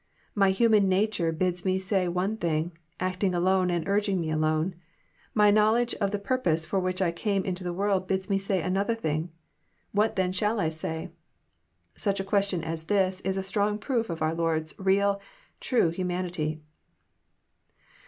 My human nature bids me say one thing, acting alone and urging me alone. My knowledge of the purpose for which I came into the world bids me say another thing. What, then, shall I say?" Such a question as this is a strong proof of our Lord's real, true humanity.